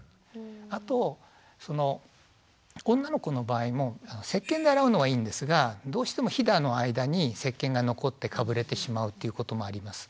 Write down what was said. あと女の子の場合もせっけんで洗うのはいいんですがどうしてもひだの間にせっけんが残ってかぶれてしまうっていうこともあります。